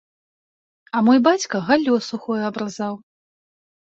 А мой бацька галлё сухое абразаў.